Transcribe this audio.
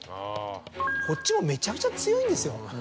こっちもめちゃくちゃ強いんですよ。